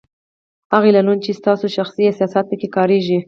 هغه اعلانونه چې ستاسو شخصي احساسات په کې کارېږي